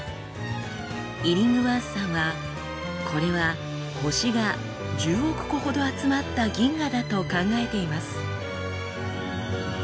イリングワースさんはこれは星が１０億個ほど集まった銀河だと考えています。